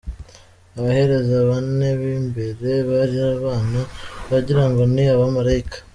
Abahereza bane b’imbere bari abana, wagirango ni Abamalayika.